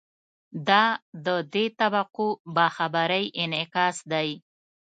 دا د دې طبقو باخبرۍ انعکاس دی.